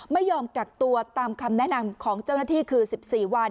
ไม่ยอมกักตัวตามคำแนะนำของเจ้าหน้าที่คือ๑๔วัน